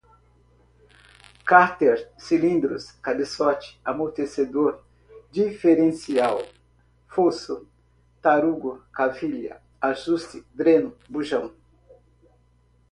cárter, cilindros, cabeçote, amortecedor, diferencial, fosso, tarugo, cavilha, ajuste, dreno, bujão